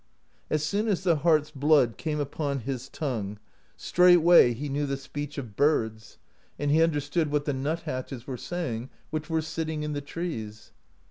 As soon as the heart's blood came upon his tongue, straightway he knew the speech 154 PROSE EDDA of birds, and he understood what the nuthatches were say ing which were sitting in the trees.